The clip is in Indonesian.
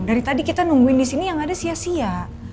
dari tadi kita nungguin disini yang ada sia sia